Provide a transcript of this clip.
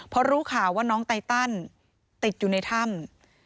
พอรู้ข่าวว่าน้องไตตันติดอยู่ในถ้ำ